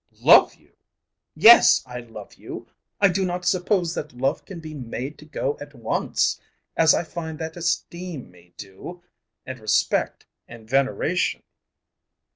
"Love you! Yes I love you. I do not suppose that love can be made to go at once, as I find that esteem may do, and respect, and veneration."